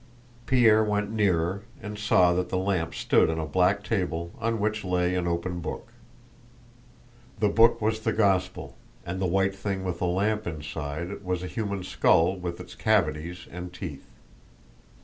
Pierre went nearer and saw that the lamp stood on a black table on which lay an open book. The book was the Gospel, and the white thing with the lamp inside was a human skull with its cavities and teeth.